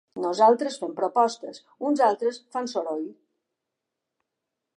Nosaltres fem propostes, uns altres fan soroll.